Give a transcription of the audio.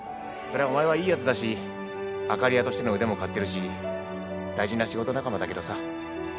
そりゃお前はいいやつだし明かり屋としての腕も買ってるし大事な仕事仲間だけどさ。